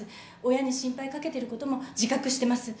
親に心配かけてることも自覚してます。